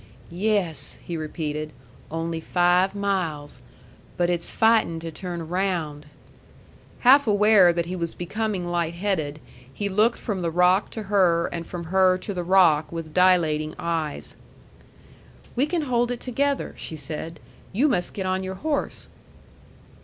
"Yes," he repeated. "Only five miles. But it's fightin' to turn around." Half aware that he was becoming light headed, he looked from the rock to her and from her to the rock with dilating eyes. "We can hold it together," she said. "You must get on your horse."